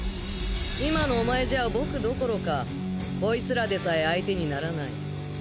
今のお前じゃ僕どころかコイツらでさえ相手にならない。